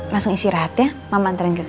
pasti capek kan udah ngerjain pr